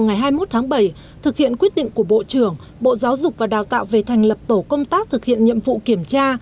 ngày hai mươi một tháng bảy thực hiện quyết định của bộ trưởng bộ giáo dục và đào tạo về thành lập tổ công tác thực hiện nhiệm vụ kiểm tra